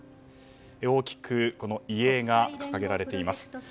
大きく遺影が掲げられています。